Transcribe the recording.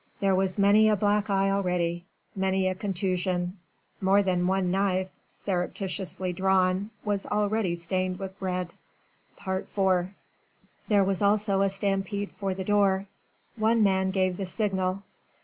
There was many a black eye already, many a contusion: more than one knife surreptitiously drawn was already stained with red. IV There was also a stampede for the door. One man gave the signal.